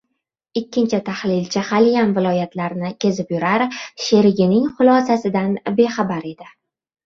Ikkinchi tahlilchi haliyam viloyatlarni kezib yurar, sherigining xulosasidan bexabar edi.